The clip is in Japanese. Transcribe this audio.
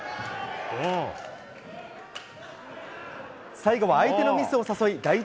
最後は相手のミスを誘い第１